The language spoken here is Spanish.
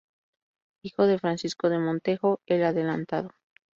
Hijo de Francisco de Montejo, el adelantado.